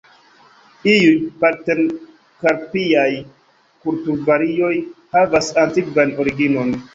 Iuj partenokarpiaj kulturvarioj havas antikvan originon.